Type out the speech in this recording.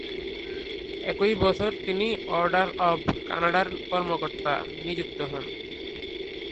একই বছর তিনি অর্ডার অব কানাডার কর্মকর্তা নিযুক্ত হন।